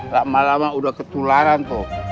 lama lama udah ketularan tuh